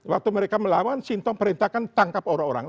waktu mereka melawan sintong perintahkan tangkap orang orang